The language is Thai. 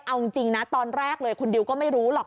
เอาจริงนะตอนแรกเลยคุณดิวก็ไม่รู้หรอก